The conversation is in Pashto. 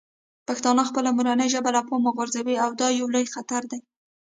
پښتانه خپله مورنۍ ژبه له پامه غورځوي او دا یو لوی خطر دی.